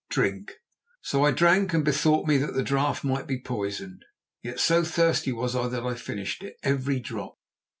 Drink." So I drank and bethought me that the draught might be poisoned. Yet so thirsty was I that I finished it, every drop.